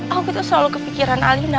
aku itu selalu kepikiran alina